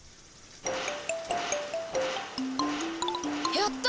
やった！